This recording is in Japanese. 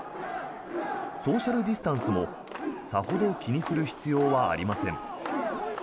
ソーシャル・ディスタンスもさほど気にする必要はありません。